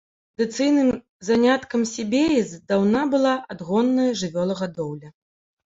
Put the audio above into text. Традыцыйным заняткам себеі здаўна была адгонная жывёлагадоўля.